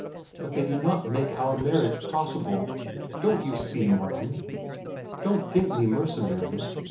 But they do not make our marriage possible. Don't you see, Martin? Don't think me mercenary.